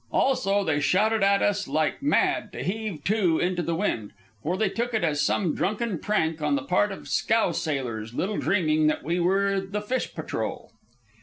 Also, they shouted at us like mad to heave to into the wind, for they took it as some drunken prank on the part of scow sailors, little dreaming that we were the fish patrol.